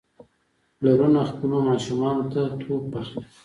پلارونه خپلو ماشومانو ته توپ اخلي.